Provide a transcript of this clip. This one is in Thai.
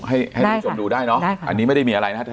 ให้ได้ค่ะให้ดูจบดูได้เนอะได้ค่ะอันนี้ไม่ได้มีอะไรนะฮะ